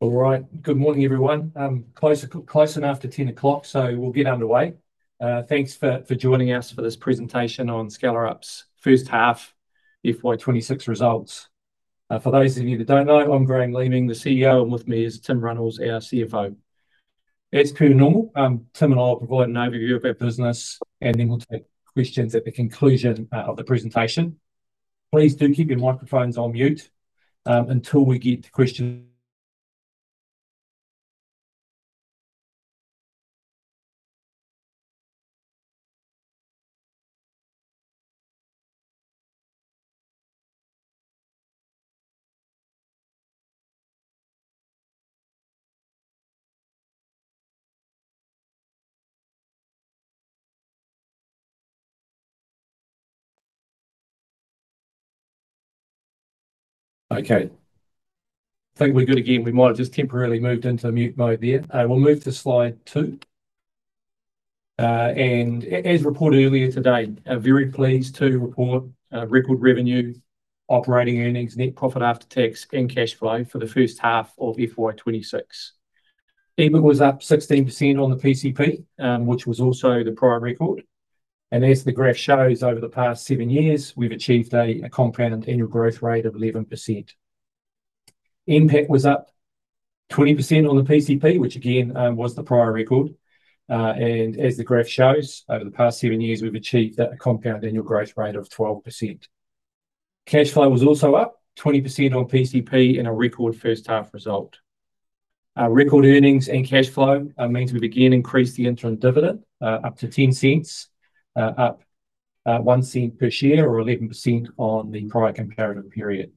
All right, good morning everyone. Close enough to 10:00 A.M., so we'll get underway. Thanks for joining us for this presentation on Skellerup's H1, FY 2026 results. For those of you that don't know, I'm Graham Leaming, the CEO, and with me is Tim Runnalls, our CFO. As per normal, Tim and I will provide an overview of our business, and then we'll take questions at the conclusion of the presentation. Please do keep your microphones on mute until we get to questions. Okay, I think we're good again. We might have just temporarily moved into mute mode there. We'll move to slide two. As reported earlier today, very pleased to report record revenue, operating earnings, net profit after tax, and cash flow for the H1 of FY 2026. EBIT was up 16% on the PCP, which was also the prior record. As the graph shows, over the past seven years, we've achieved a compound annual growth rate of 11%. NPAT was up 20% on the PCP, which again was the prior record. As the graph shows, over the past seven years, we've achieved a compound annual growth rate of 12%. Cash flow was also up 20% on PCP and a record first-half result. Record earnings and cash flow means we've again increased the interim dividend to 0.10, up 0.01 per share or 11% on the prior comparative period.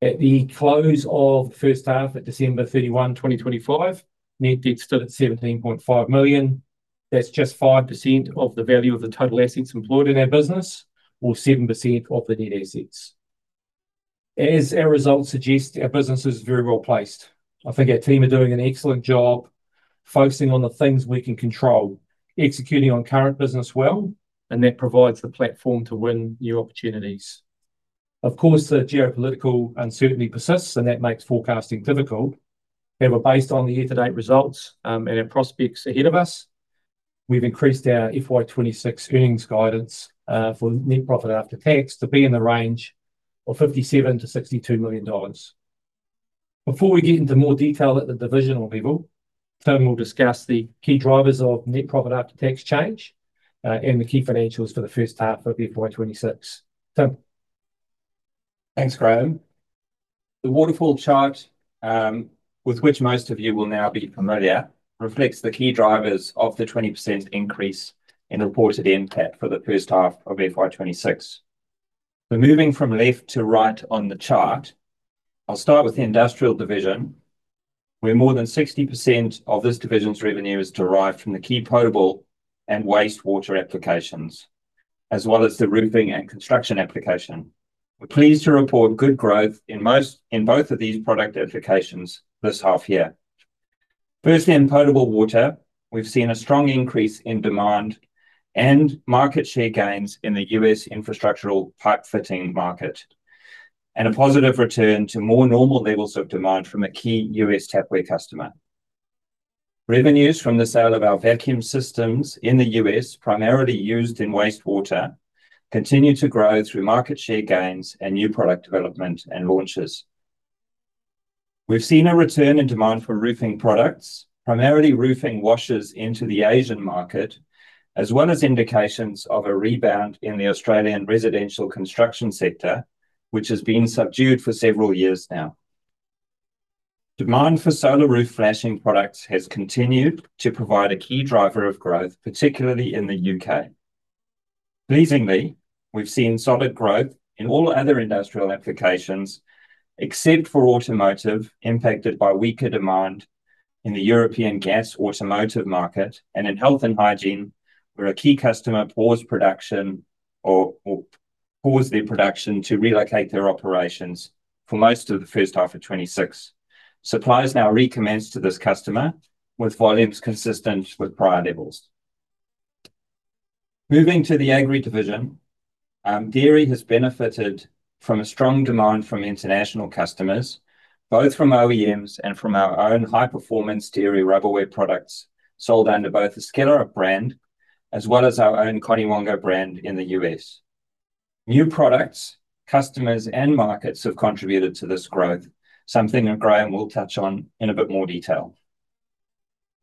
At the close of the first half, at December 31, 2025, net debt stood at 17.5 million. That's just 5% of the value of the total assets employed in our business, or 7% of the net assets. As our results suggest, our business is very well placed. I think our team are doing an excellent job focusing on the things we can control, executing on current business well, and that provides the platform to win new opportunities. Of course, the geopolitical uncertainty persists, and that makes forecasting difficult. However, based on the year-to-date results and our prospects ahead of us, we've increased our FY 2026 earnings guidance for net profit after tax to be in the range of 57 million-62 million dollars. Before we get into more detail at the divisional level, Tim will discuss the key drivers of net profit after tax change and the key financials for the H1 of FY 2026. Tim. Thanks, Graham. The waterfall chart, with which most of you will now be familiar, reflects the key drivers of the 20% increase and reported NPAT for the H1 of FY 2026. Moving from left to right on the chart, I'll start with the industrial division, where more than 60% of this division's revenue is derived from the key potable and wastewater applications, as well as the roofing and construction application. We're pleased to report good growth in both of these product applications this half year. Firstly, in potable water, we've seen a strong increase in demand and market share gains in the U.S. infrastructural pipe-fitting market, and a positive return to more normal levels of demand from a key U.S. tapware customer. Revenues from the sale of our vacuum systems in the U.S., primarily used in wastewater, continue to grow through market share gains and new product development and launches. We've seen a return in demand for roofing products, primarily roofing washers into the Asian market, as well as indications of a rebound in the Australian residential construction sector, which has been subdued for several years now. Demand for solar roof flashing products has continued to provide a key driver of growth, particularly in the U.K. Pleasingly, we've seen solid growth in all other industrial applications, except for automotive, impacted by weaker demand in the European gas/automotive market, and in health and hygiene, where a key customer paused production or paused their production to relocate their operations for most of the H1 of 2026. Supplies now recommence to this customer, with volumes consistent with prior levels. Moving to the agri division, dairy has benefited from a strong demand from international customers, both from OEMs and from our own high-performance dairy rubberware products sold under both the Skellerup brand as well as our own Conewango brand in the U.S. New products, customers, and markets have contributed to this growth, something that Graham will touch on in a bit more detail.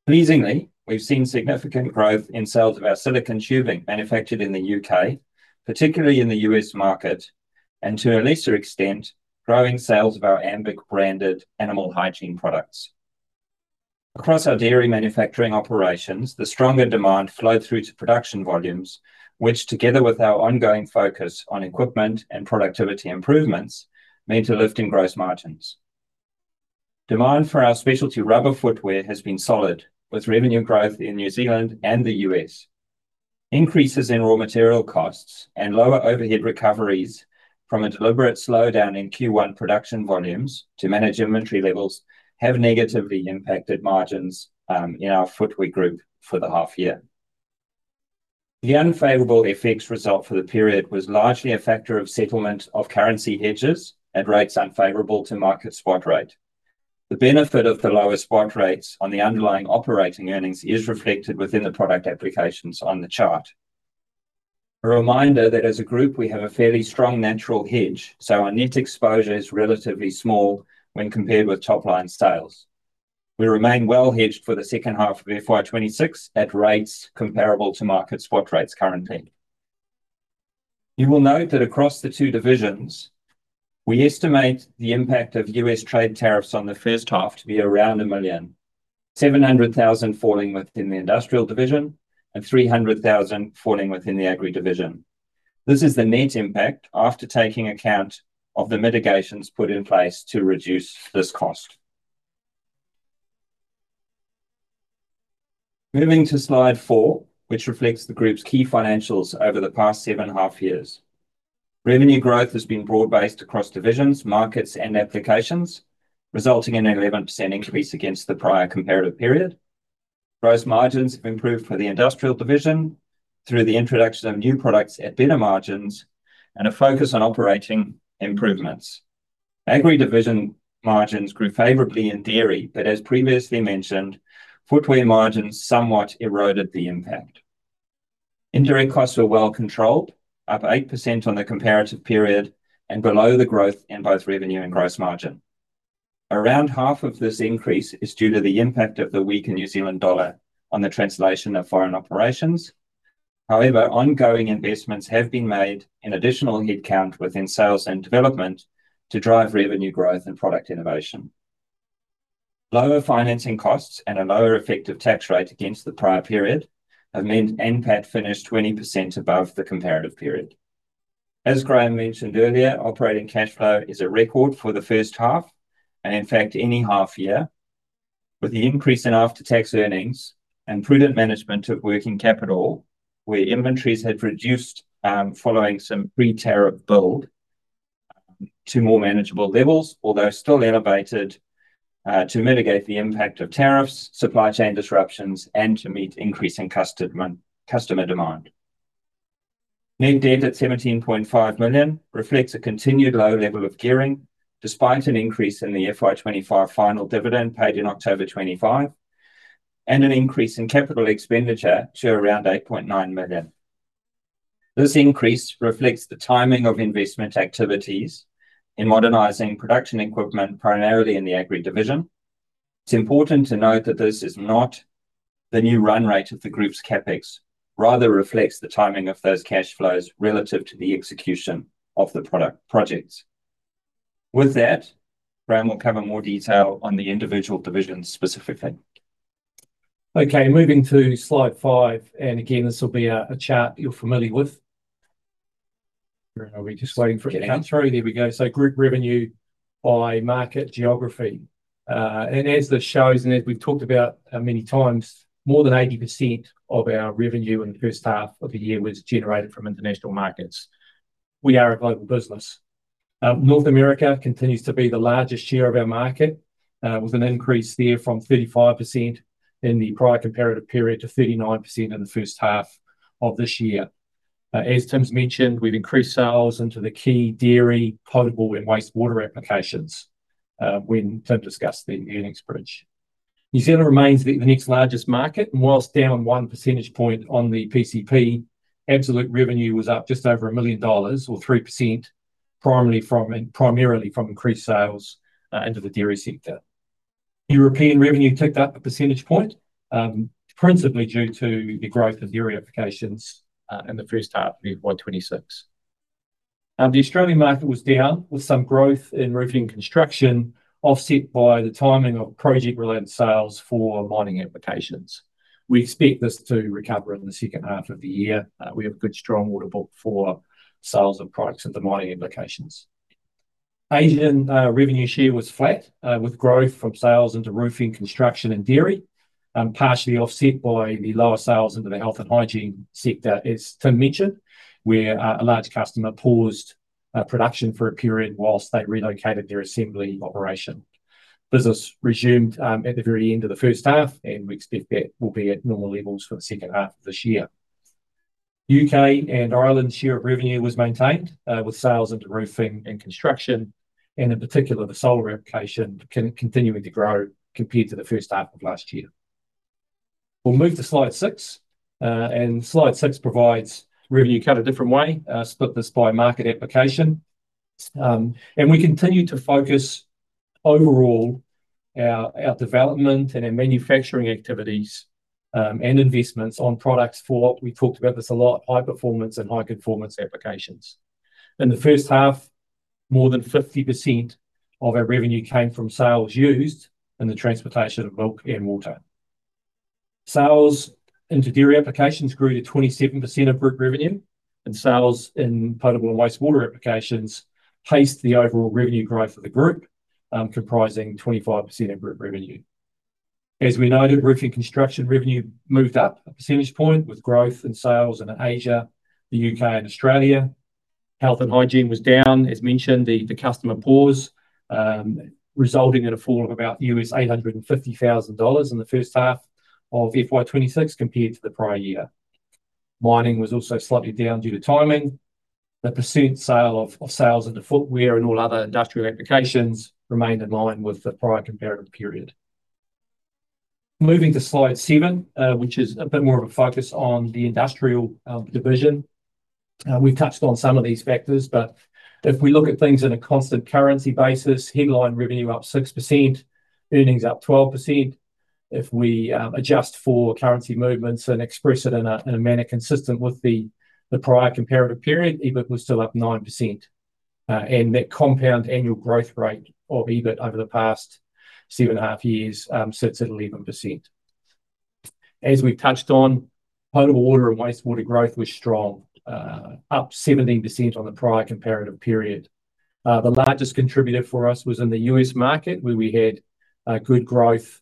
Pleasingly, we've seen significant growth in sales of our silicone tubing manufactured in the U.K., particularly in the U.S. market, and to a lesser extent, growing sales of our Ambic-branded animal hygiene products. Across our dairy manufacturing operations, the stronger demand flowed through to production volumes, which, together with our ongoing focus on equipment and productivity improvements, meant a lift in gross margins. Demand for our specialty rubber footwear has been solid, with revenue growth in New Zealand and the U.S. Increases in raw material costs and lower overhead recoveries from a deliberate slowdown in Q1 production volumes to managed inventory levels have negatively impacted margins in our footwear group for the half year. The unfavorable FX result for the period was largely a factor of settlement of currency hedges at rates unfavorable to market spot rate. The benefit of the lower spot rates on the underlying operating earnings is reflected within the product applications on the chart. A reminder that as a group, we have a fairly strong natural hedge, so our net exposure is relatively small when compared with top-line sales. We remain well hedged for the second half of FY 2026 at rates comparable to market spot rates currently. You will note that across the two divisions, we estimate the impact of U.S. trade tariffs on the first half to be around 1.7 million falling within the industrial division and 300,000 falling within the Agri division. This is the net impact after taking account of the mitigations put in place to reduce this cost. Moving to slide four, which reflects the group's key financials over the past seven and a half years. Revenue growth has been broad-based across divisions, markets, and applications, resulting in an 11% increase against the prior comparative period. Gross margins have improved for the industrial division through the introduction of new products at better margins and a focus on operating improvements. Agri division margins grew favorably in dairy, but as previously mentioned, footwear margins somewhat eroded the impact. Indirect costs were well controlled, up 8% on the comparative period and below the growth in both revenue and gross margin. Around half of this increase is due to the impact of the weakened New Zealand dollar on the translation of foreign operations. However, ongoing investments have been made in additional headcount within sales and development to drive revenue growth and product innovation. Lower financing costs and a lower effective tax rate against the prior period have meant NPAT finished 20% above the comparative period. As Graham mentioned earlier, operating cash flow is a record for the first half and, in fact, any half year. With the increase in after-tax earnings and prudent management of working capital, where inventories had reduced following some pre-tariff build to more manageable levels, although still elevated to mitigate the impact of tariffs, supply chain disruptions, and to meet increasing customer demand. Net debt at 17.5 million reflects a continued low level of gearing despite an increase in the FY 2025 final dividend paid in October 2025 and an increase in capital expenditure to around 8.9 million. This increase reflects the timing of investment activities in modernizing production equipment, primarily in the agri division. It's important to note that this is not the new run rate of the group's CapEx rather reflects the timing of those cash flows relative to the execution of the projects. With that, Graham will cover more detail on the individual divisions specifically. Okay, moving to slide 5, and again, this will be a chart you're familiar with. We're just waiting for it to come through. There we go. So group revenue by market geography. As this shows, and as we've talked about many times, more than 80% of our revenue in the H1 of the year was generated from international markets. We are a global business. North America continues to be the largest share of our market, with an increase there from 35% in the prior comparative period to 39% in the H1 of this year. As Tim's mentioned, we've increased sales into the key dairy, potable, and wastewater applications when Tim discussed the earnings bridge. New Zealand remains the next largest market, and while down 1 percentage point on the PCP, absolute revenue was up just over 1 million dollars, or 3%, primarily from increased sales into the dairy sector. European revenue ticked up 1 percentage point, principally due to the growth of dairy applications in the H1 of FY 2026. The Australian market was down with some growth in roofing construction, offset by the timing of project-related sales for mining applications. We expect this to recover in the second half of the year. We have a good strong order book for sales of products into mining applications. Asian revenue share was flat, with growth from sales into roofing, construction, and dairy, partially offset by the lower sales into the health and hygiene sector, as Tim mentioned, where a large customer paused production for a period while they relocated their assembly operation. Business resumed at the very end of the first half, and we expect that will be at normal levels for the second half of this year. The U.K. and Ireland's share of revenue was maintained, with sales into roofing and construction, and in particular, the solar application continuing to grow compared to the H1 of last year. We'll move to slide 6. Slide 6 provides revenue cut a different way, split this by market application. We continue to focus overall our development and our manufacturing activities and investments on products for what we talked about this a lot, high performance and high conformance applications. In the first half, more than 50% of our revenue came from sales used in the transportation of milk and water. Sales into dairy applications grew to 27% of group revenue, and sales in potable and wastewater applications paced the overall revenue growth of the group, comprising 25% of group revenue. As we noted, roofing construction revenue moved up a percentage point with growth in sales in Asia, the UK, and Australia. Health and hygiene was down, as mentioned, the customer pause, resulting in a fall of about $850,000 in the H1 of FY 2026 compared to the prior year. Mining was also slightly down due to timing. The percentage of sales into footwear and all other industrial applications remained in line with the prior comparative period. Moving to slide 7, which is a bit more of a focus on the industrial division. We've touched on some of these factors, but if we look at things on a constant currency basis, headline revenue up 6%, earnings up 12%. If we adjust for currency movements and express it in a manner consistent with the prior comparative period, EBIT was still up 9%. That compound annual growth rate of EBIT over the past seven and a half years sits at 11%. As we've touched on, potable water and wastewater growth was strong, up 17% on the prior comparative period. The largest contributor for us was in the U.S. market, where we had good growth,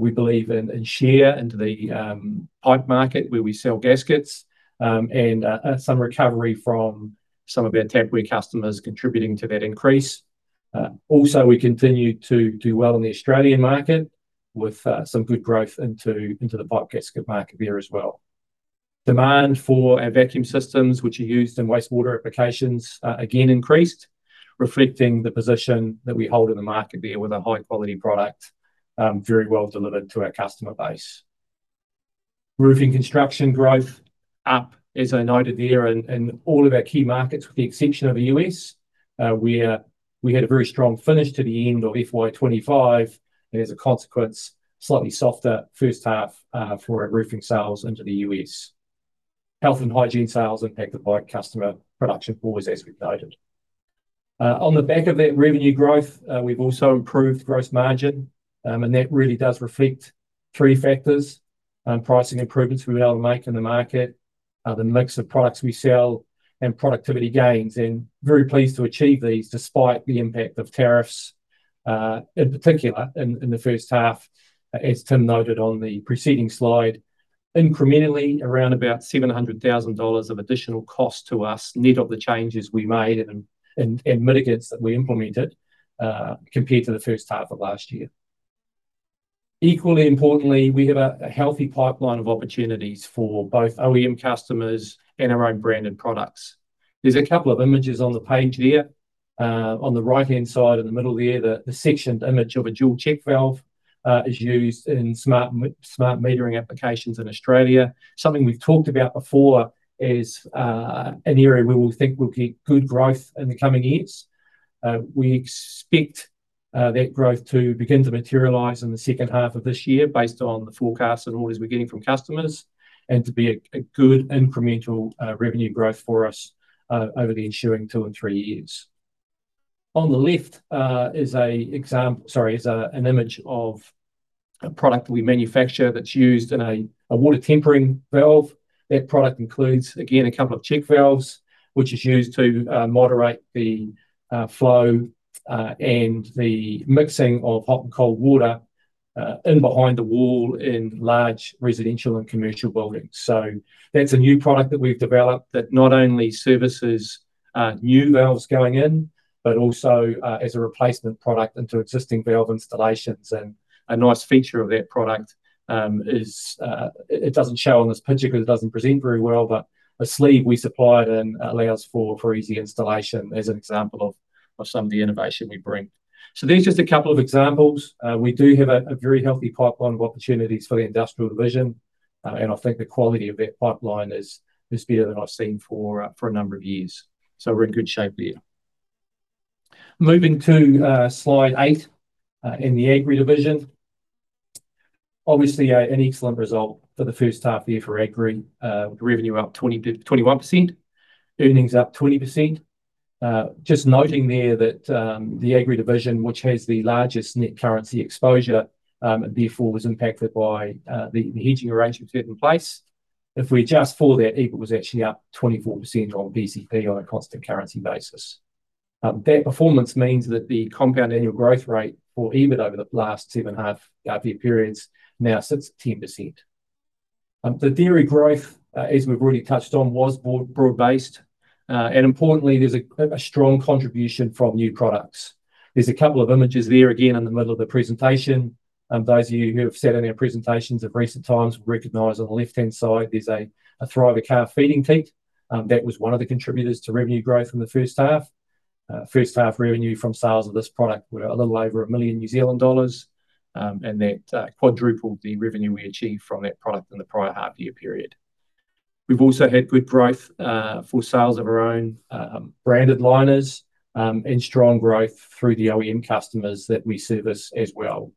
we believe, in share into the pipe market, where we sell gaskets, and some recovery from some of our tapware customers contributing to that increase. Also, we continued to do well in the Australian market with some good growth into the pipe gasket market there as well. Demand for our vacuum systems, which are used in wastewater applications, again increased, reflecting the position that we hold in the market there with a high-quality product very well delivered to our customer base. Roofing construction growth up, as I noted there, in all of our key markets, with the exception of the U.S., where we had a very strong finish to the end of FY 2025 and, as a consequence, slightly softer first half for our roofing sales into the U.S. Health and hygiene sales impacted by the key customer production pause, as we've noted. On the back of that revenue growth, we've also improved gross margin, and that really does reflect three factors: pricing improvements we were able to make in the market, the mix of products we sell, and productivity gains. Very pleased to achieve these despite the impact of tariffs, in particular in the first half, as Tim noted on the preceding slide, incrementally around about 700,000 dollars of additional cost to us net of the changes we made and mitigants that we implemented compared to the H1 of last year. Equally importantly, we have a healthy pipeline of opportunities for both OEM customers and our own branded products. There's a couple of images on the page there. On the right-hand side in the middle there, the sectioned image of a dual check valve is used in smart metering applications in Australia, something we've talked about before as an area where we think we'll get good growth in the coming years. We expect that growth to begin to materialize in the second half of this year based on the forecasts and orders we're getting from customers and to be a good incremental revenue growth for us over the ensuing 2-3 years. On the left is an image of a product that we manufacture that's used in a water-tempering valve. That product includes, again, a couple of check valves, which are used to moderate the flow and the mixing of hot and cold water in behind the wall in large residential and commercial buildings. That's a new product that we've developed that not only services new valves going in, but also as a replacement product into existing valve installations. A nice feature of that product is it doesn't show on this picture because it doesn't present very well, but a sleeve we supplied it in allows for easy installation as an example of some of the innovation we bring. So there's just a couple of examples. We do have a very healthy pipeline of opportunities for the industrial division, and I think the quality of that pipeline is better than I've seen for a number of years. So we're in good shape there. Moving to slide 8 in the agri division. Obviously, an excellent result for the H1 year for agri, with revenue up 21%, earnings up 20%. Just noting there that the agri division, which has the largest net currency exposure and therefore was impacted by the hedging arrangements put in place, if we adjust for that, EBIT was actually up 24% on PCP on a constant currency basis. That performance means that the compound annual growth rate for EBIT over the last 7.5-year periods now sits at 10%. The dairy growth, as we've already touched on, was broad-based. And importantly, there's a strong contribution from new products. There's a couple of images there again in the middle of the presentation. Those of you who have sat in our presentations of recent times will recognize on the left-hand side, there's a Thriver calf feeding teat. That was one of the contributors to revenue growth in the first half. First half revenue from sales of this product were a little over 1 million New Zealand dollars, and that quadrupled the revenue we achieved from that product in the prior half year period. We've also had good growth for sales of our own branded liners and strong growth through the OEM customers that we service as well.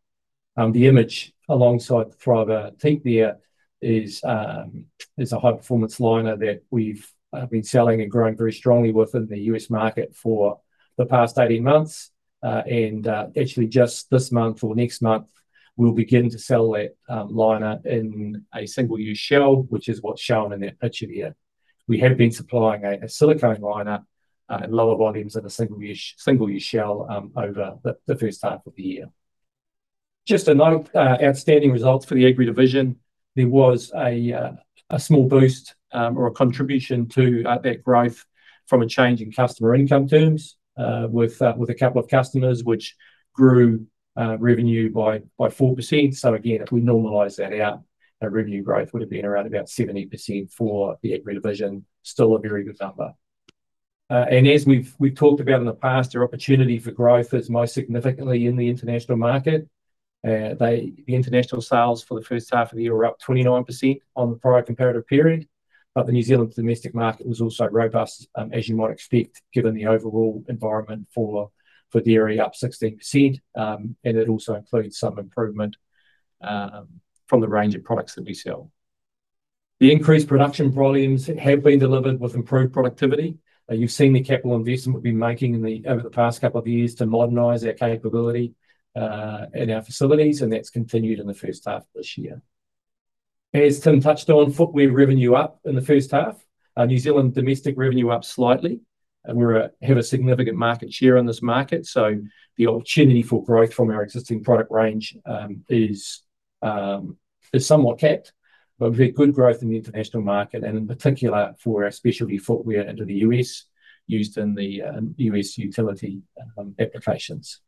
The image alongside the Thriver teat there is a high-performance liner that we've been selling and growing very strongly with in the U.S. market for the past 18 months. And actually, just this month or next month, we'll begin to sell that liner in a single-use shell, which is what's shown in that picture there. We have been supplying a silicone liner in lower volumes in a single-use shell over the H1 of the year. Just to note, outstanding results for the agri division. There was a small boost or a contribution to that growth from a change in customer Incoterms with a couple of customers, which grew revenue by 4%. So again, if we normalise that out, our revenue growth would have been around about 70% for the agri division, still a very good number. And as we've talked about in the past, our opportunity for growth is most significantly in the international market. The international sales for the H1 of the year were up 29% on the prior comparative period. But the New Zealand domestic market was also robust, as you might expect, given the overall environment for dairy, up 16%. And it also includes some improvement from the range of products that we sell. The increased production volumes have been delivered with improved productivity. You've seen the capital investment we've been making over the past couple of years to modernize our capability in our facilities, and that's continued in the H1 of this year. As Tim touched on, footwear revenue up in the first half, New Zealand domestic revenue up slightly. We have a significant market share in this market, so the opportunity for growth from our existing product range is somewhat capped. But we've had good growth in the international market, and in particular for our specialty footwear into the U.S. used in the U.S. utility applications.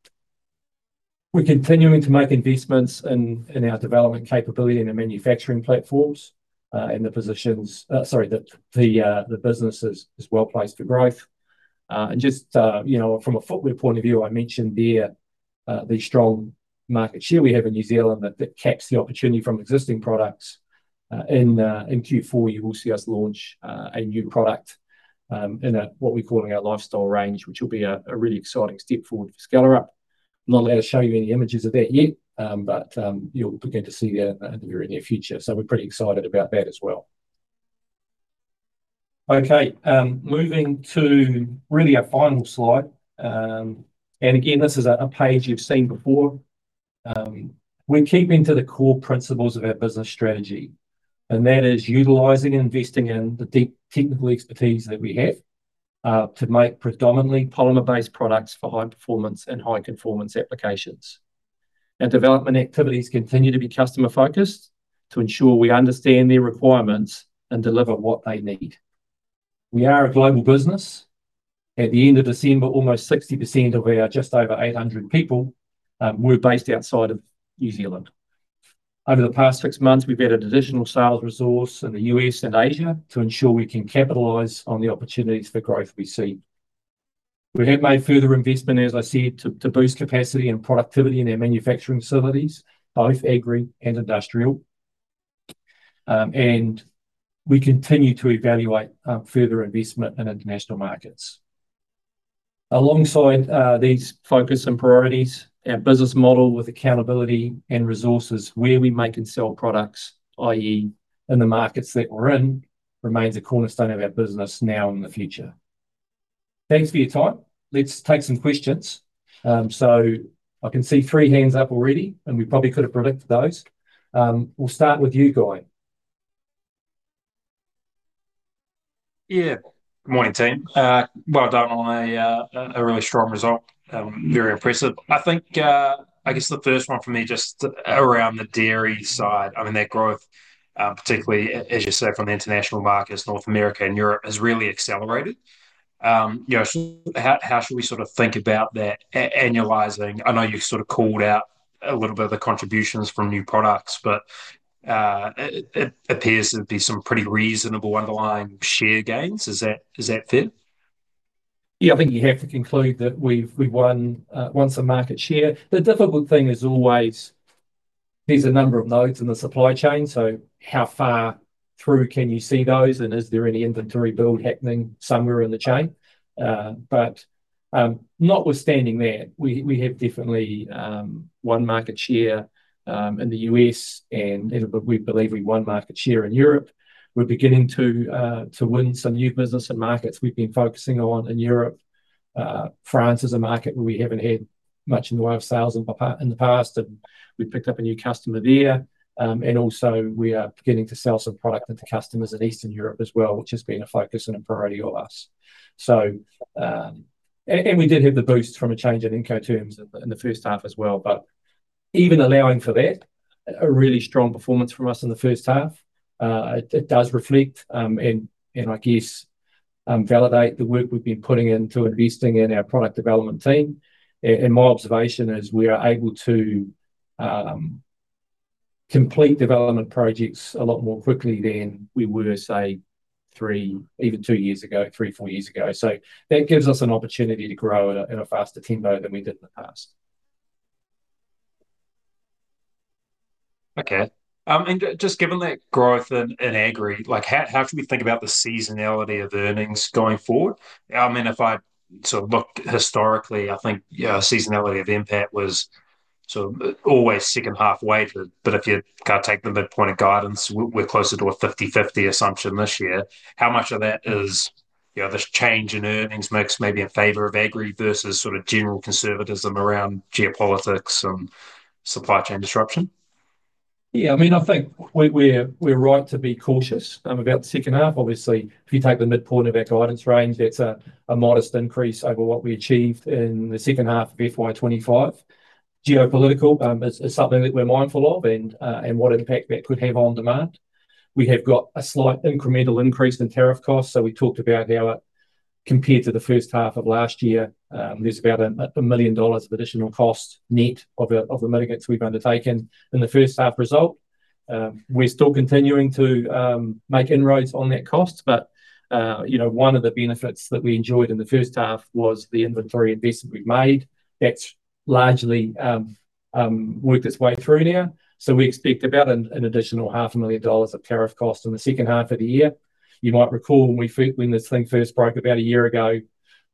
We're continuing to make investments in our development capability and the manufacturing platforms and the positions sorry, the business is well placed for growth. And just from a footwear point of view, I mentioned there the strong market share we have in New Zealand that caps the opportunity from existing products. In Q4, you will see us launch a new product in what we're calling our lifestyle range, which will be a really exciting step forward for Skellerup. I'm not allowed to show you any images of that yet, but you'll begin to see that in the very near future. So we're pretty excited about that as well. Okay, moving to really our final slide. Again, this is a page you've seen before. We're keeping to the core principles of our business strategy, and that is utilizing and investing in the deep technical expertise that we have to make predominantly polymer-based products for high performance and high conformance applications. Development activities continue to be customer-focused to ensure we understand their requirements and deliver what they need. We are a global business. At the end of December, almost 60% of our just over 800 people were based outside of New Zealand. Over the past six months, we've added additional sales resource in the U.S. and Asia to ensure we can capitalize on the opportunities for growth we see. We have made further investment, as I said, to boost capacity and productivity in our manufacturing facilities, both agri and industrial. And we continue to evaluate further investment in international markets. Alongside these focus and priorities, our business model with accountability and resources where we make and sell products, i.e., in the markets that we're in, remains a cornerstone of our business now and in the future. Thanks for your time. Let's take some questions. So I can see three hands up already, and we probably could have predicted those. We'll start with you, Guy. Yeah. Good morning, Tim. Well done on a really strong result. Very impressive. I guess the first one for me just around the dairy side. I mean, that growth, particularly, as you say, from the international markets, North America and Europe, has really accelerated. How should we sort of think about that annualizing? I know you sort of called out a little bit of the contributions from new products, but it appears to be some pretty reasonable underlying share gains. Is that fair? Yeah, I think you have to conclude that we've won some market share. The difficult thing is always there's a number of nodes in the supply chain, so how far through can you see those, and is there any inventory build happening somewhere in the chain? But notwithstanding that, we have definitely won market share in the U.S., and we believe we've won market share in Europe. We're beginning to win some new business in markets we've been focusing on in Europe. France is a market where we haven't had much in the way of sales in the past, and we've picked up a new customer there. And also, we are beginning to sell some product into customers in Eastern Europe as well, which has been a focus and a priority of us. We did have the boost from a change in Incoterms in the first half as well. Even allowing for that, a really strong performance from us in the first half, it does reflect and, I guess, validate the work we've been putting into investing in our product development team. My observation is we are able to complete development projects a lot more quickly than we were, say, even two years ago, three, four years ago. That gives us an opportunity to grow at a faster tempo than we did in the past. Okay. And just given that growth in agri, how should we think about the seasonality of earnings going forward? I mean, if I sort of looked historically, I think seasonality of impact was always second half weighted. But if you take the midpoint of guidance, we're closer to a 50/50 assumption this year. How much of that is this change in earnings mix maybe in favour of agri versus sort of general conservatism around geopolitics and supply chain disruption? Yeah, I mean, I think we're right to be cautious about the second half. Obviously, if you take the midpoint of our guidance range, that's a modest increase over what we achieved in the second half of FY 2025. Geopolitical is something that we're mindful of and what impact that could have on demand. We have got a slight incremental increase in tariff costs. So we talked about how it compared to the H1 of last year, there's about 1 million dollars of additional costs net of the mitigants we've undertaken in the first half result. We're still continuing to make inroads on that cost. But one of the benefits that we enjoyed in the first half was the inventory investment we've made. That's largely worked its way through now. So we expect about an additional 500,000 dollars of tariff costs in the second half of the year. You might recall when this thing first broke about a year ago,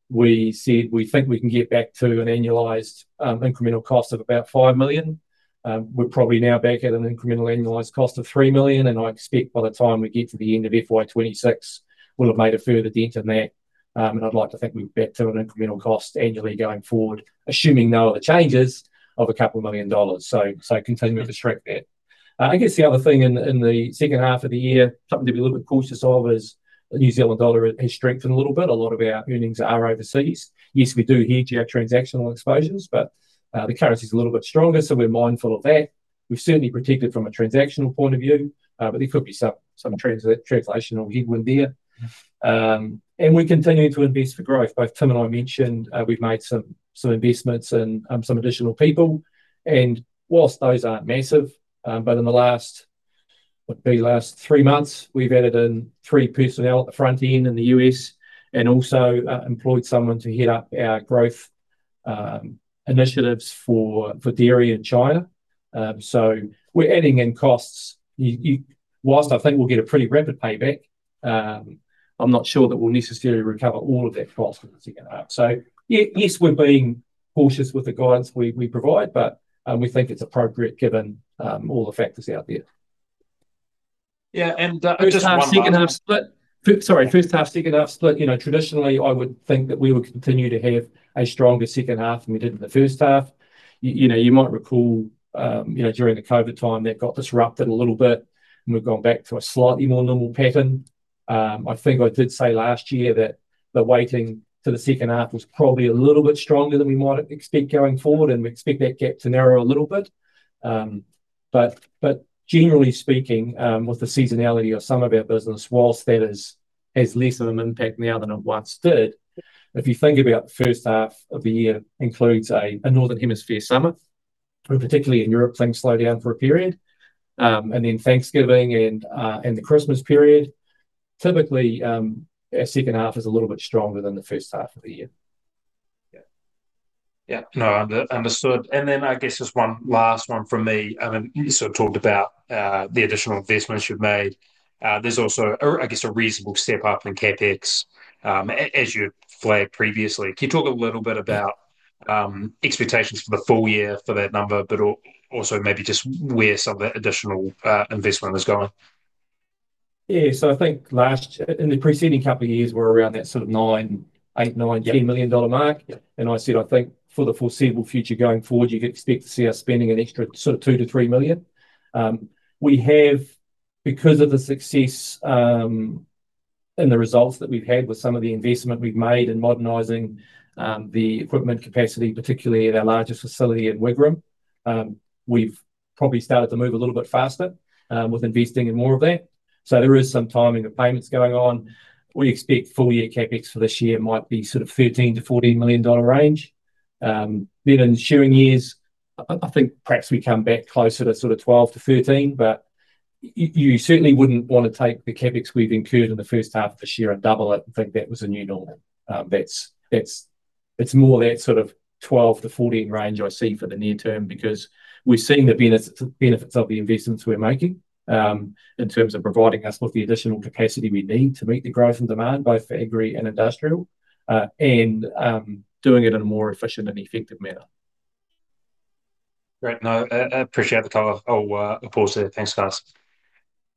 we said we think we can get back to an annualized incremental cost of about 5 million. We're probably now back at an incremental annualized cost of 3 million. I expect by the time we get to the end of FY26, we'll have made a further dent in that. I'd like to think we're back to an incremental cost annually going forward, assuming no other changes of a couple of million dollars. Continue to strike that. I guess the other thing in the second half of the year, something to be a little bit cautious of is the New Zealand dollar has strengthened a little bit. A lot of our earnings are overseas. Yes, we do hedge our transactional exposures, but the currency is a little bit stronger, so we're mindful of that. We've certainly protected from a transactional point of view, but there could be some translational headwind there. We're continuing to invest for growth. Both Tim and I mentioned we've made some investments in some additional people. Whilst those aren't massive, but in the last, what would be the last three months, we've added in three personnel at the front end in the U.S. and also employed someone to head up our growth initiatives for dairy in China. We're adding in costs. Whilst I think we'll get a pretty rapid payback, I'm not sure that we'll necessarily recover all of that cost in the second half. Yes, we're being cautious with the guidance we provide, but we think it's appropriate given all the factors out there. Yeah, and just our second half split. Sorry, first half, second half split. Traditionally, I would think that we would continue to have a stronger second half than we did in the first half. You might recall during the COVID time, that got disrupted a little bit, and we've gone back to a slightly more normal pattern. I think I did say last year that the weighting to the second half was probably a little bit stronger than we might expect going forward, and we expect that gap to narrow a little bit. Generally speaking, with the seasonality of some of our business, whilst that has less of an impact now than it once did, if you think about the H1 of the year includes a Northern Hemisphere summer, and particularly in Europe, things slow down for a period, and then Thanksgiving and the Christmas period, typically, our second half is a little bit stronger than the H1 of the year. Yeah, no, understood. And then I guess just one last one from me. I mean, you sort of talked about the additional investments you've made. There's also, I guess, a reasonable step up in CapEx, as you flagged previously. Can you talk a little bit about expectations for the full year for that number, but also maybe just where some of that additional investment is going? Yeah, so I think in the preceding couple of years, we're around that sort of 9 million, 8 million, 9 million, 10 million dollar mark. And I said, I think for the foreseeable future going forward, you can expect to see us spending an extra sort of 2 million-3 million. We have, because of the success in the results that we've had with some of the investment we've made in modernizing the equipment capacity, particularly at our largest facility in Wigram, we've probably started to move a little bit faster with investing in more of that. So there is some timing of payments going on. We expect full-year CapEx for this year might be sort of 13 million-14 million dollar range. Then in ensuing years, I think perhaps we come back closer to sort of 12 million-13 million. But you certainly wouldn't want to take the CapEx we've incurred in the H1 of this year and double it and think that was a new normal. It's more that sort of 12-14 range I see for the near term because we're seeing the benefits of the investments we're making in terms of providing us with the additional capacity we need to meet the growth and demand, both for agri and industrial, and doing it in a more efficient and effective manner. Great. No, I appreciate the time. I'll pause there. Thanks, guys.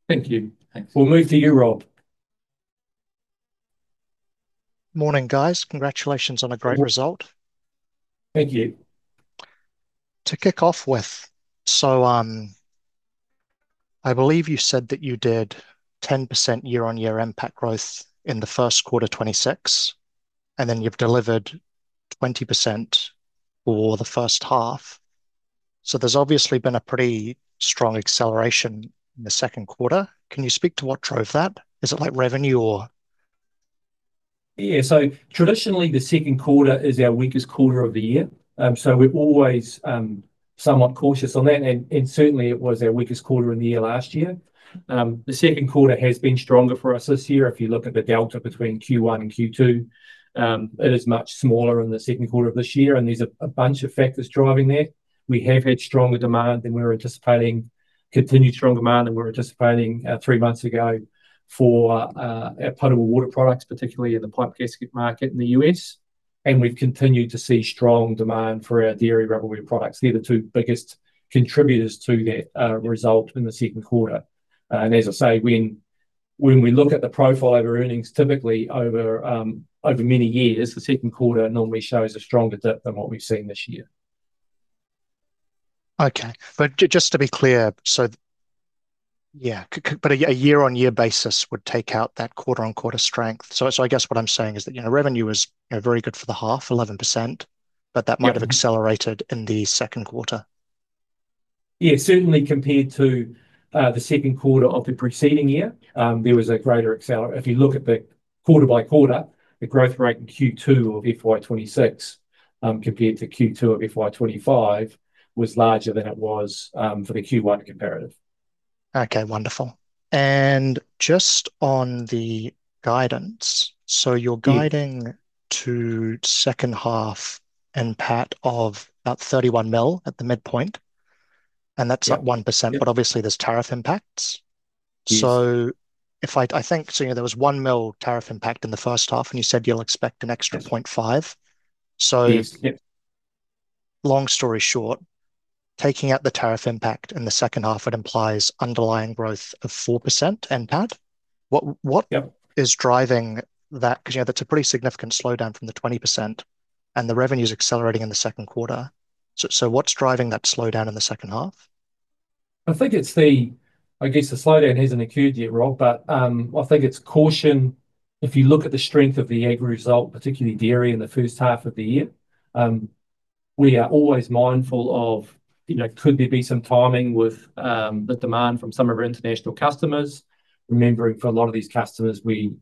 Thank you. We'll move to you, Rob. Morning, guys. Congratulations on a great result. Thank you. To kick off with, I believe you said that you did 10% year-on-year impact growth in the first quarter 2026, and then you've delivered 20% for the first half. There's obviously been a pretty strong acceleration in the second quarter. Can you speak to what drove that? Is it like revenue or? Yeah, so traditionally, the second quarter is our weakest quarter of the year. So we're always somewhat cautious on that. And certainly, it was our weakest quarter in the year last year. The second quarter has been stronger for us this year. If you look at the delta between Q1 and Q2, it is much smaller in the second quarter of this year. And there's a bunch of factors driving that. We have had stronger demand than we were anticipating, continued strong demand than we were anticipating three months ago for our potable water products, particularly in the pipe gasket market in the U.S. And we've continued to see strong demand for our dairy rubberware products. They're the two biggest contributors to that result in the second quarter. As I say, when we look at the profile of our earnings, typically over many years, the second quarter normally shows a stronger dip than what we've seen this year. Okay, but just to be clear, so yeah, but a year-over-year basis would take out that quarter-over-quarter strength. So I guess what I'm saying is that revenue is very good for the half, 11%, but that might have accelerated in the second quarter. Yeah, certainly compared to the second quarter of the preceding year, there was a greater acceleration. If you look at the quarter-by-quarter, the growth rate in Q2 of FY 2026 compared to Q2 of FY 2025 was larger than it was for the Q1 comparative. Okay, wonderful. And just on the guidance, so you're guiding to second half impact of about 31 million at the midpoint. And that's like 1%, but obviously, there's tariff impacts. So I think there was 1 million tariff impact in the first half, and you said you'll expect an extra 0.5 million. So long story short, taking out the tariff impact in the second half, it implies underlying growth of 4% impact. What is driving that? Because that's a pretty significant slowdown from the 20%, and the revenue is accelerating in the second quarter. So what's driving that slowdown in the second half? I think it's, I guess, the slowdown hasn't occurred yet, Rob, but I think it's caution. If you look at the strength of the agri result, particularly dairy in the H1 of the year, we are always mindful of, could there be some timing with the demand from some of our international customers? Remembering, for a lot of these customers, we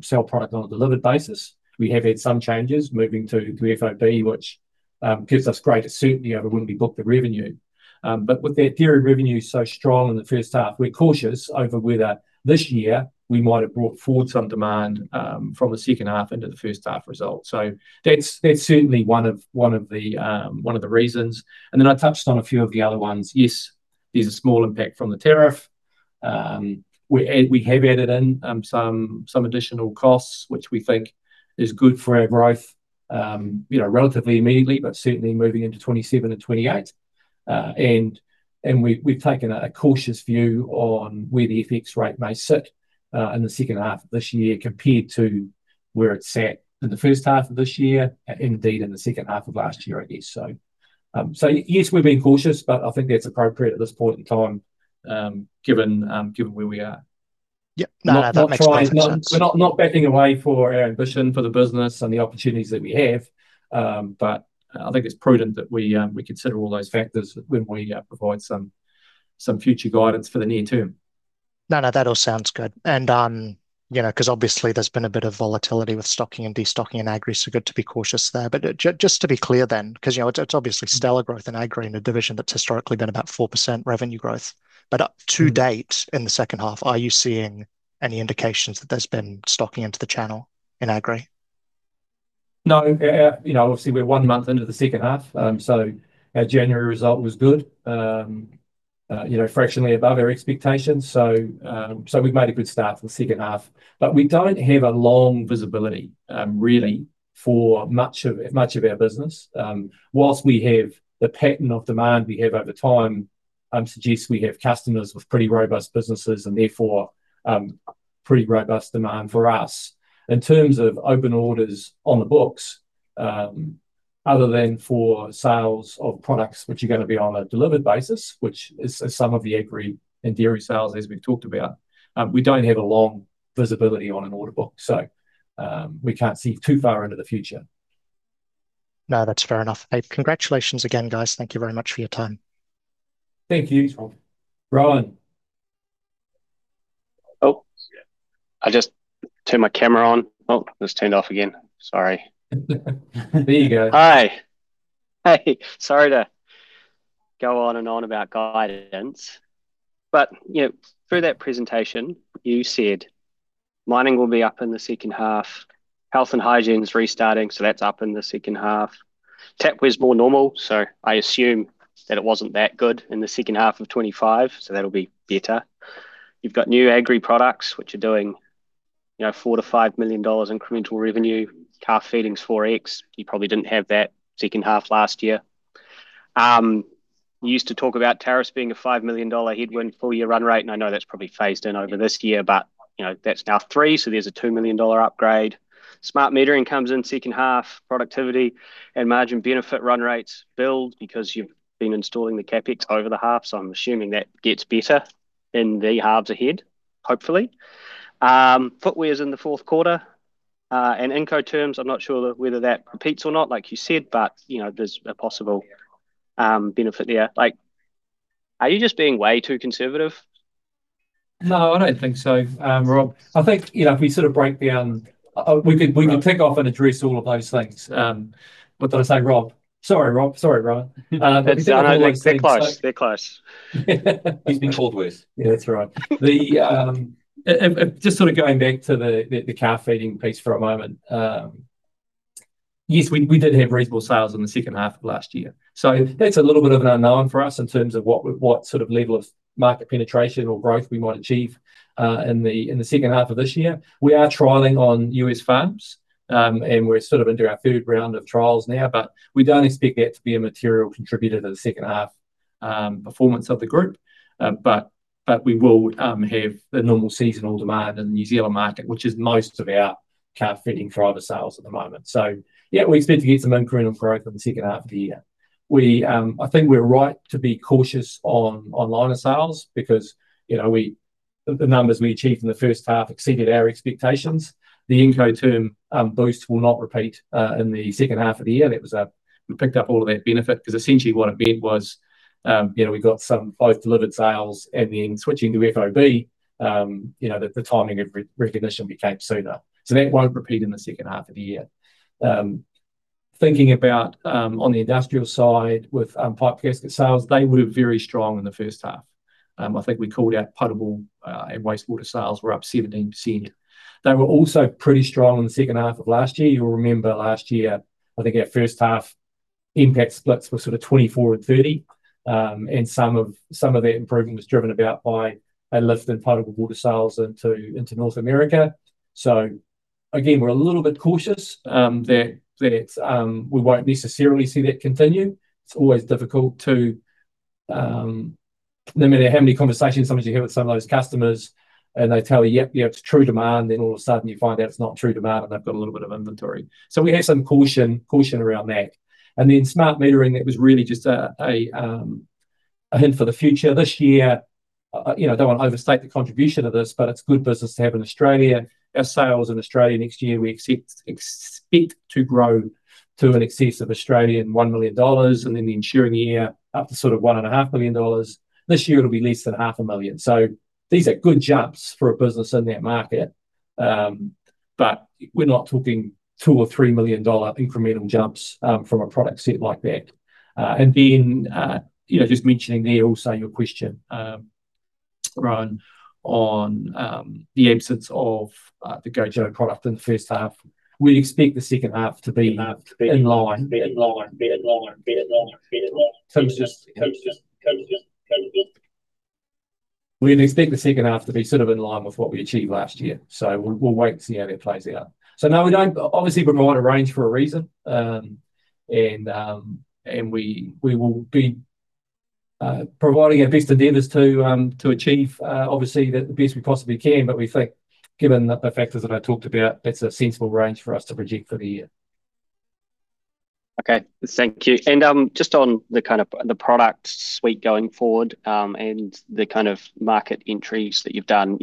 sell product on a delivered basis. We have had some changes moving to FOB, which gives us greater certainty over when we book the revenue. But with that dairy revenue so strong in the first half, we're cautious over whether this year we might have brought forward some demand from the second half into the first half result. So that's certainly one of the reasons. And then I touched on a few of the other ones. Yes, there's a small impact from the tariff. We have added in some additional costs, which we think is good for our growth relatively immediately, but certainly moving into 2027 and 2028. And we've taken a cautious view on where the FX rate may sit in the second half of this year compared to where it sat in the H1 of this year and indeed in the second half of last year, I guess. So yes, we've been cautious, but I think that's appropriate at this point in time, given where we are. Yeah, no, no, that makes perfect sense. We're not backing away for our ambition for the business and the opportunities that we have. But I think it's prudent that we consider all those factors when we provide some future guidance for the near term. No, no, that all sounds good. And because obviously, there's been a bit of volatility with stocking and destocking in agri, so good to be cautious there. But just to be clear then, because it's obviously stellar growth in agri in a division that's historically been about 4% revenue growth. But to date in the second half, are you seeing any indications that there's been stocking into the channel in agri? No, obviously, we're one month into the second half. So our January result was good, fractionally above our expectations. So we've made a good start for the second half. But we don't have a long visibility, really, for much of our business. Whilst we have the pattern of demand we have over time, suggests we have customers with pretty robust businesses and therefore pretty robust demand for us. In terms of open orders on the books, other than for sales of products, which are going to be on a delivered basis, which is some of the agri and dairy sales, as we've talked about, we don't have a long visibility on an order book. So we can't see too far into the future. No, that's fair enough. Congratulations again, guys. Thank you very much for your time. Thank you, Rob. Rowan? Oh, I just turned my camera on. Oh, it's turned off again. Sorry. There you go. Hi. Hey, sorry to go on and on about guidance. But through that presentation, you said mining will be up in the second half, health and hygiene's restarting, so that's up in the second half, tap was more normal, so I assume that it wasn't that good in the second half of 2025, so that'll be better. You've got new agri products, which are doing 4 million-5 million dollars incremental revenue, calf feedings, 4x. You probably didn't have that second half last year. You used to talk about tariffs being a 5 million dollar headwind full-year run rate, and I know that's probably phased in over this year, but that's now 3, so there's a 2 million dollar upgrade. Smart metering comes in second half, productivity and margin benefit run rates build because you've been installing the CapEx over the half, so I'm assuming that gets better in the halves ahead, hopefully. Footwear's in the fourth quarter. And Incoterms, I'm not sure whether that repeats or not, like you said, but there's a possible benefit there. Are you just being way too conservative? No, I don't think so, Rob. I think if we sort of break down, we could tick off and address all of those things. What did I say, Rob? Sorry, Rob. Sorry, Rowan. No, no, they're close. They're close. He's been called Wes. Yeah, that's right. Just sort of going back to the calf feeding piece for a moment. Yes, we did have reasonable sales in the second half of last year. So that's a little bit of an unknown for us in terms of what sort of level of market penetration or growth we might achieve in the second half of this year. We are trialling on U.S. farms, and we're sort of into our third round of trials now. But we don't expect that to be a material contributor to the second half performance of the group. But we will have the normal seasonal demand in the New Zealand market, which is most of our calf feeding for our other sales at the moment. So yeah, we expect to get some incremental growth in the second half of the year. I think we're right to be cautious on liner sales because the numbers we achieved in the first half exceeded our expectations. The Incoterms boost will not repeat in the second half of the year. We picked up all of that benefit because essentially, what it meant was we got some both delivered sales and then switching to FOB, the timing of recognition became sooner. So that won't repeat in the second half of the year. Thinking about on the industrial side with pipe gasket sales, they were very strong in the first half. I think we called out potable and wastewater sales were up 17%. They were also pretty strong in the second half of last year. You'll remember last year, I think our first half EBIT splits were sort of 24 and 30. Some of that improvement was driven by about a lift in potable water sales into North America. Again, we're a little bit cautious that we won't necessarily see that continue. It's always difficult no matter how many conversations sometimes you have with some of those customers, and they tell you, "Yep, yeah, it's true demand," then all of a sudden, you find out it's not true demand, and they've got a little bit of inventory. We have some caution around that. Smart metering, that was really just a hint for the future. This year, I don't want to overstate the contribution of this, but it's good business to have in Australia. Our sales in Australia next year, we expect to grow to an excess of 1 million Australian dollars, and then the ensuing year up to sort of 1.5 million dollars. This year, it'll be less than 500,000. These are good jumps for a business in that market. But we're not talking 2 million or 3 million-dollar incremental jumps from a product set like that. Then just mentioning there also your question, Rowan, on the absence of the GOJO product in the first half, we expect the second half to be in line. We'd expect the second half to be sort of in line with what we achieved last year. We'll wait and see how that plays out. No, we don't obviously provide a range for a reason. We will be providing our best endeavors to achieve, obviously, the best we possibly can. But we think, given the factors that I talked about, that's a sensible range for us to project for the year. Okay, thank you. Just on the kind of product suite going forward and the kind of market entries that you've done,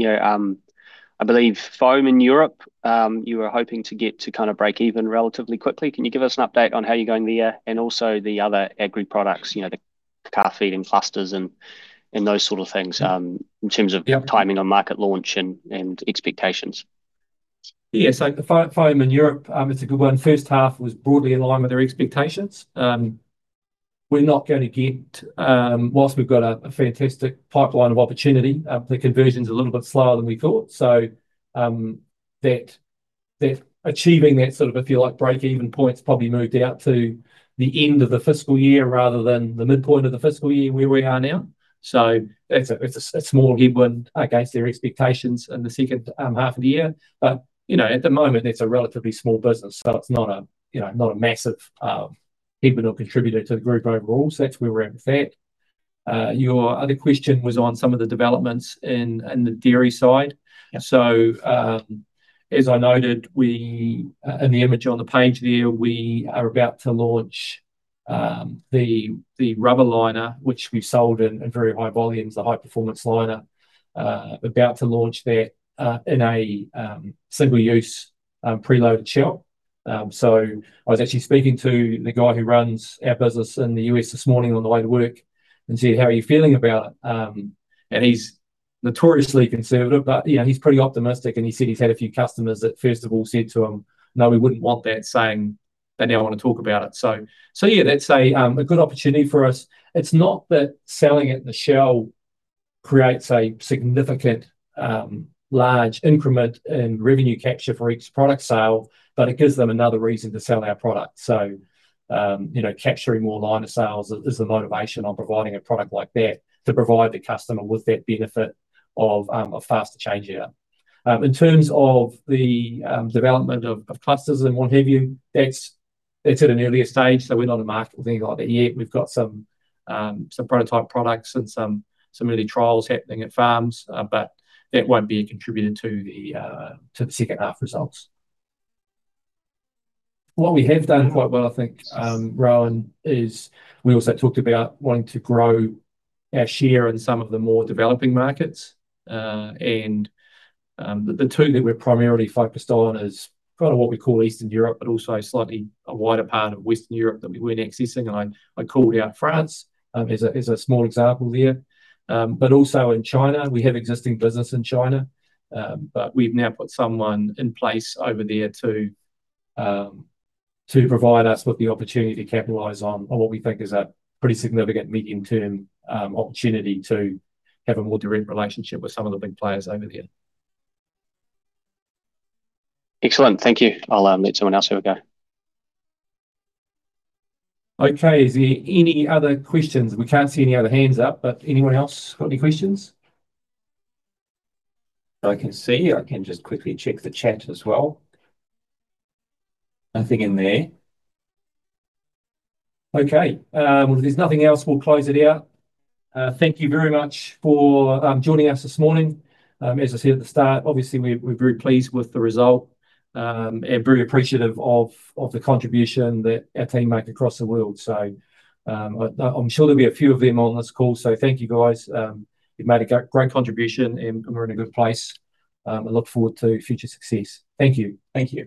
I believe foam in Europe, you were hoping to get to kind of break even relatively quickly. Can you give us an update on how you're going there and also the other agri products, the calf feeding clusters and those sort of things in terms of timing on market launch and expectations? Yeah, so foam in Europe, it's a good one. First half was broadly in line with our expectations. We're not going to get whilst we've got a fantastic pipeline of opportunity, the conversion's a little bit slower than we thought. So achieving that sort of, if you like, break-even point's probably moved out to the end of the fiscal year rather than the midpoint of the fiscal year where we are now. So it's a small headwind against their expectations in the second half of the year. But at the moment, that's a relatively small business, so it's not a massive headwind or contributor to the group overall. So that's where we're at with that. Your other question was on some of the developments in the dairy side. So as I noted, in the image on the page there, we are about to launch the rubber liner, which we've sold in very high volumes, the high-performance liner, about to launch that in a single-use preloaded shell. So I was actually speaking to the guy who runs our business in the U.S. this morning on the way to work and said, "How are you feeling about it?" And he's notoriously conservative, but he's pretty optimistic. And he said he's had a few customers that, first of all, said to him, "No, we wouldn't want that," saying they now want to talk about it. So yeah, that's a good opportunity for us. It's not that selling it in the shell creates a significant large increment in revenue capture for each product sale, but it gives them another reason to sell our product. So capturing more liner sales is the motivation on providing a product like that to provide the customer with that benefit of faster change out. In terms of the development of clusters and what have you, that's at an earlier stage. So we're not in market with anything like that yet. We've got some prototype products and some early trials happening at farms, but that won't be a contributor to the second half results. What we have done quite well, I think, Rowan, is we also talked about wanting to grow our share in some of the more developing markets. And the two that we're primarily focused on is kind of what we call Eastern Europe, but also slightly a wider part of Western Europe that we weren't accessing. And I called out France as a small example there. But also in China, we have existing business in China, but we've now put someone in place over there to provide us with the opportunity to capitalize on what we think is a pretty significant medium-term opportunity to have a more direct relationship with some of the big players over there. Excellent. Thank you. I'll let someone else have a go. Okay, is there any other questions? We can't see any other hands up, but anyone else got any questions? I can see. I can just quickly check the chat as well. Nothing in there. Okay. Well, if there's nothing else, we'll close it out. Thank you very much for joining us this morning. As I said at the start, obviously, we're very pleased with the result and very appreciative of the contribution that our team make across the world. So I'm sure there'll be a few of them on this call. So thank you, guys. You've made a great contribution, and we're in a good place. I look forward to future success. Thank you. Thank you.